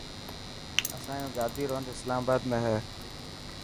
اسايو گادي رو هند اسلام آباد ۾ هي .